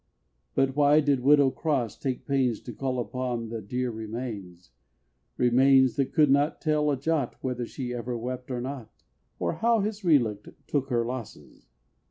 But why did Widow Cross take pains To call upon the "dear remains" Remains that could not tell a jot Whether she ever wept or not, Or how his relict took her losses?